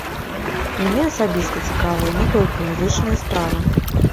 Мне асабіста цікавая не толькі музычная справа.